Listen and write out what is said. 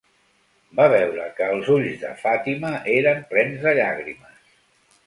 Va veure que els ulls de Fatima eren plens de llàgrimes.